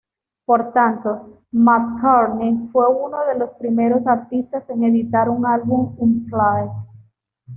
Por tanto, McCartney fue uno de los primeros artistas en editar un álbum "unplugged".